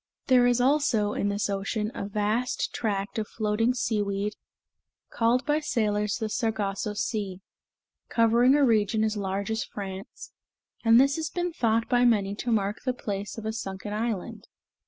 There is, also, in this ocean a vast tract of floating seaweed, called by sailors the Sargasso Sea, covering a region as large as France, and this has been thought by many to mark the place of a sunken island.